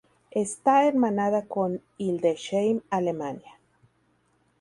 Está hermanada con Hildesheim, Alemania.